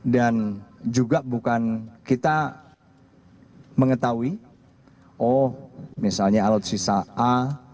dan juga bukan kita mengetahui oh misalnya alutsista a